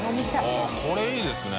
あっこれいいですね。